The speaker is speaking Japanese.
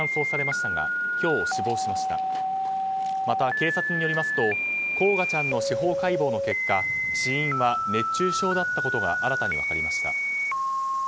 また警察によりますと煌翔ちゃんの司法解剖の結果死因は熱中症だったことが新たに分かりました。